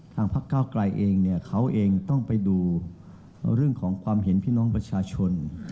พักเก้าไกลเองเนี่ยเขาเองต้องไปดูเรื่องของความเห็นพี่น้องประชาชน